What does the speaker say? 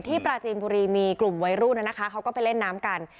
ปราจีนบุรีมีกลุ่มวัยรุ่นนะคะเขาก็ไปเล่นน้ำกัน